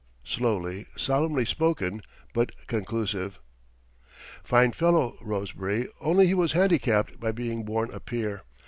Slowly, solemnly spoken, but conclusive. Fine fellow, Rosebery, only he was handicapped by being born a peer.